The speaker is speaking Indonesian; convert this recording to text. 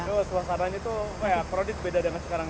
jadi suasananya tuh kayak perudit beda dengan sekarang